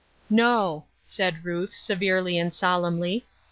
" "No," said Ruth, severely and solemnly.